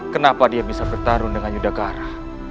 kenapa dia bisa bertarung dengan yudhagara